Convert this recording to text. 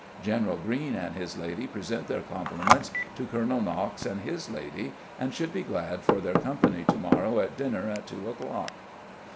"General Greene and his lady present their compliments to Colonel Knox and his lady and should be glad for their company tomorrow at dinner at two o'clock".